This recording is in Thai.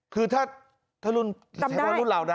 คือถ้ารุ่นใช้ว่ารุ่นเรานะ